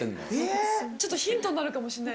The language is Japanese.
ちょっとヒントになるかもしれない。